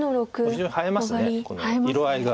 非常に映えますね色合いが。